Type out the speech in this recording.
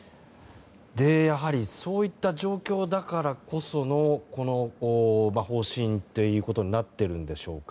やはりそういった状況だからこそのこの方針ということになっているのでしょうか。